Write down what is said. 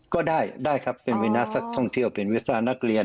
ก็ได้ได้ครับเป็นวีนาสักท่องเที่ยวเป็นวิศนุนักเรียน